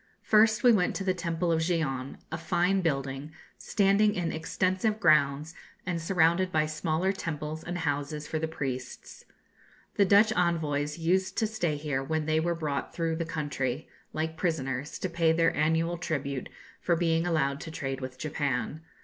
First we went to the temple of Gion, a fine building, standing in extensive grounds, and surrounded by smaller temples and houses for the priests. The Dutch envoys used to stay here when they were brought through the country, like prisoners, to pay their annual tribute for being allowed to trade with Japan.